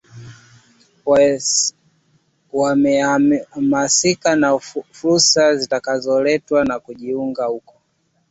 wamehamasika na fursa zitakazoletwa na kujiunga huko